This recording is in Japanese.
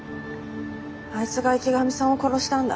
あいつが池上さんを殺したんだ。